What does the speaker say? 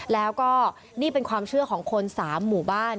แล้วก็นี่เป็นความเชื่อของคน๓หมู่บ้าน